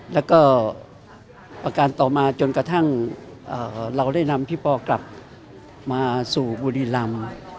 แล้วก็อาการต่อมาจนกระทั่งเราได้นำพี่ปอกลับมาสู่บุรีรำ